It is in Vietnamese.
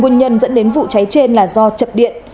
nguyên nhân dẫn đến vụ cháy trên là do chập điện